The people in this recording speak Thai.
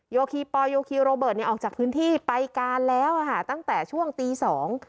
โยคีปอลโยคีโรเบิร์ตเนี่ยออกจากพื้นที่ไปการแล้วอ่ะค่ะตั้งแต่ช่วงตีสอง